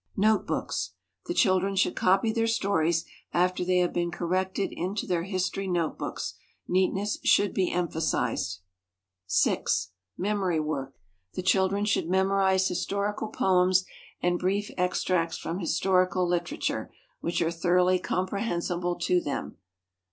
5. Note books. The children should copy their stories after they have been corrected into their history note books. Neatness should be emphasized. 6. Memory work. The children should memorize historical poems and brief extracts from historical literature, which are thoroughly comprehensible to them.